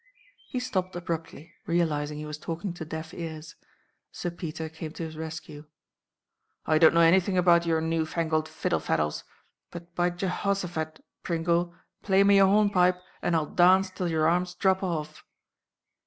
He stopped abruptly, realising he was talking to deaf ears. Sir Peter came to his rescue. "I don't know anything about your new fangled fiddle faddles; but, by Jehoshaphat, Pringle, play me a hornpipe, and I 'll dance till your arms drop off!"